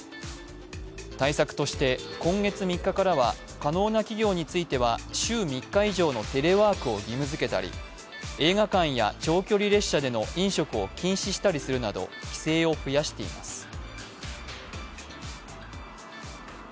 対策として、今月３日からは可能な企業については週３日以上のテレワークを義務づけたり映画館や長距離列車での飲食を禁止したりするなど、規制を増やしています。